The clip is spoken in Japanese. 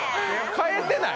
変えてない？